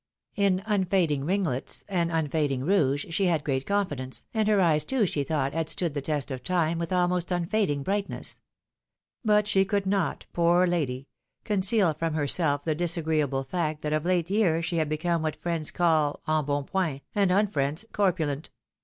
In unfading ringlets, and unfading rouge, she had great confi dence, and her eyes too, she thought, had stood the test of time 298 THE WIDOW MAEEIED. with almost unfading brightness. But she could not, poor lady! conceal from herself the disagreeable fact that of late years she had become what friends call embonpoint, and unfriends, corpulent.